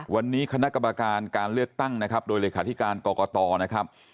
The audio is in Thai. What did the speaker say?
วันนี้คณะกรรมการการเลือกตั้งนะครับโดยเลขาธิการกรกตนะครับ